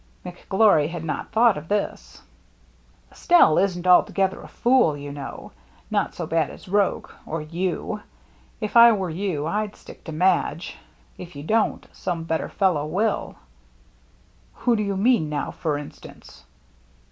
McGlory had not thought of this. " Estelle isn't altogether a fool, you know. Not so bad as Roche — or you. If I were you, I'd stick to Madge. If you don't, some better fellow will." " Who do you mean now, for instance